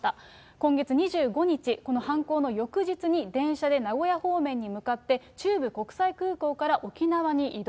今月２５日、この犯行の翌日に電車で名古屋方面に向かって、中部国際空港から沖縄に移動。